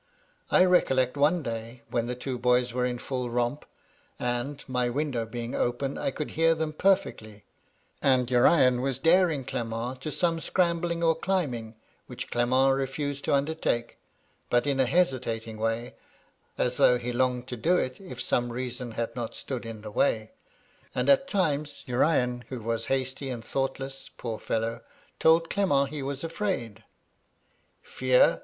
I recollect one day, when the two boys were in frill romp — and, my window being open, I could hear them perfectly — and Urian was daring Clement to some scrambling or climbing, which Clement refused to undertake, but in a heedtating way, as though he longed to do it if some reason had not stood in the way ; and at times, Urian, who was hasty and thoughtless, poor fellow, told Clement that he was afraid. ^ Fear